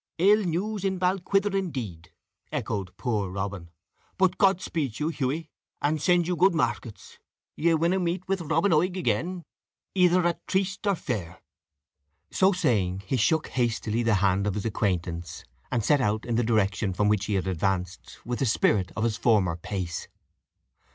"Ill news in Balquidder, indeed!" echoed poor Robin; "but Cot speed you, Hughie, and send you good marcats. Ye winna meet with Robin Oig again, either at tryste or fair." So saying, he shook hastily the hand of his acquaintance, and set out in the direction from which he had advanced, with the spirit of his former pace.